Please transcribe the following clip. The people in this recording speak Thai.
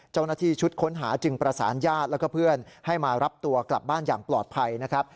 เจ้าหน้าที่ชุดค้นหาจึงประสานญาติแล้วก็เพื่อนให้มารับตัวกลับบ้านอย่างปลอดภัยนะครับ